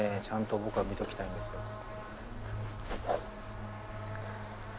ちゃんと僕は見ときたいんですよ。